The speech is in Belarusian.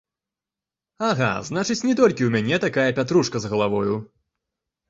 Ага, значыць, не толькі ў мяне такая пятрушка з галавою.